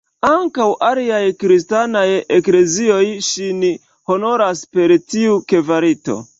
Ankaŭ aliaj kristanaj eklezioj ŝin honoras per tiu kvalito.